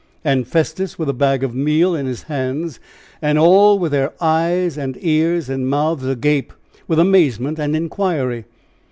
And Festus, with a bag of meal in his hands. And all with their eyes and ears and mouths agape with amazement and inquiry.